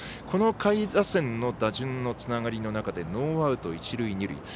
この下位打線の打順のつながりの中でノーアウト一塁二塁。